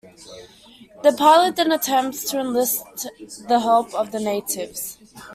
The pilot then attempts to enlist the help of the natives.